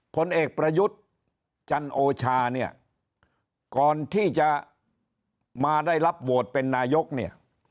ผลเอกประยุทธ์จันโอชาเนี่ยก่อนที่จะมาได้รับโหวตเป็นนายกเนี่ย